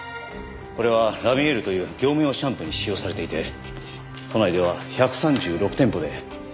これはラミエールという業務用シャンプーに使用されていて都内では１３６店舗で取り扱いがあります。